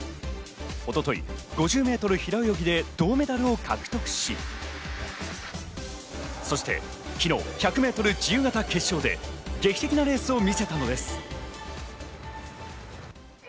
一昨日５０ｍ平泳ぎで銅メダルを獲得し、そして昨日、１００ｍ自由形決勝で劇的なレースを見せたのです。